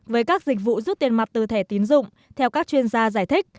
với các dịch vụ rút tiền mặt từ thẻ tiến dụng theo các chuyên gia giải thích